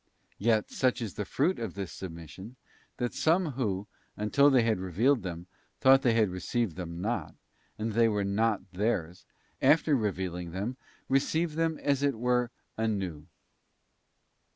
Yea, such is the fruit of this submission, that some who, until they had revealed them, thought they had received them not, and that they were not theirs, after revealing them receive them as it were anew.